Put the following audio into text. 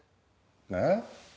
えっ？